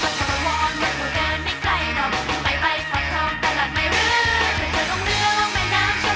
หัวเราะคือโฮงหนาวว่าทุกท่านที่เซาต์มันชิ้นกันใช้